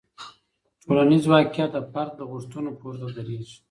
ټولنیز واقیعت د فرد له غوښتنو پورته دریږي.